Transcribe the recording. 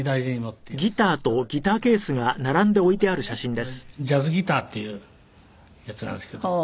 これジャズギターっていうやつなんですけど。